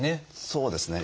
そうですね。